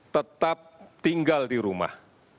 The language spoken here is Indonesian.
tetap tinggal di rumah